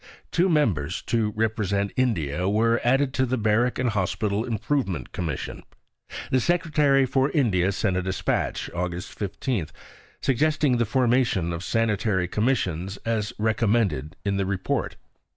Two members, to represent India, were added to the Barrack and Hospital Improvement Commission. The Secretary for India sent a dispatch (Aug. 15) suggesting the formation of Sanitary Commissions as recommended in the Report.